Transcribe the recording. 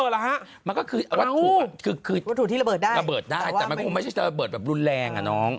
แต่ไม่ให้ระเบิดแบบรุนแรงอะน้อง